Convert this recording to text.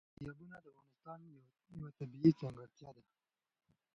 دریابونه د افغانستان یوه طبیعي ځانګړتیا ده.